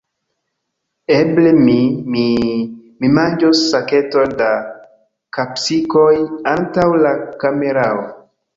Eble mi, mi... mi manĝos saketon da kapsikoj antaŭ la kamerao.